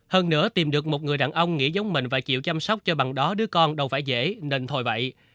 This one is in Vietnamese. hơn nữa tìm được một người đàn ông nghĩ giống mình và chịu chăm sóc cho bằng đó đứa con đâu phải dễ nên thổi bậy